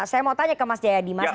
saya mau tanya ke mas jayadi mas